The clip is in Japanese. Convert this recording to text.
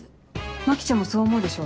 牧ちゃんもそう思うでしょ？